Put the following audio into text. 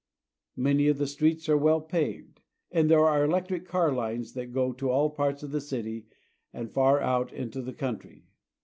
Many of the streets are well paved, and there are elec tric car lines that go to all parts of the city and far out into the country.